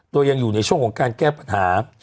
โดยยังอยู่ในช่วงของการแก้ปัญหา